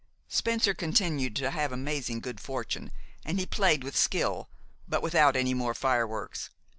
Spencer continued to have amazing good fortune, and he played with skill, but without any more fireworks.